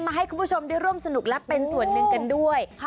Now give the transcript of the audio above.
ให้คุณผู้ชมได้ร่วมสนุกและเป็นส่วนหนึ่งกันด้วย